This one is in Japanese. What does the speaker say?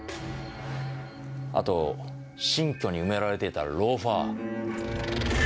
あと新居に埋められていたローファー。